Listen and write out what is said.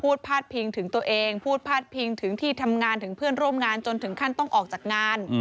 พาดพิงถึงตัวเองพูดพาดพิงถึงที่ทำงานถึงเพื่อนร่วมงานจนถึงขั้นต้องออกจากงาน